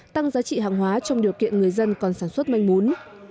tăng giá trị hàng hóa trong điều kiện người dân còn sản xuất manh mún